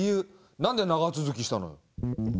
何で長続きしたのよ？